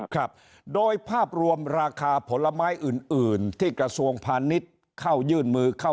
ครับผมแนวโน้มดีขึ้น